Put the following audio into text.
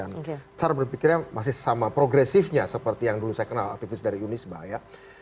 saya sekarang berpikirnya masih sama progresifnya seperti yang dulu saya kenal aktivis dari undi isbah ya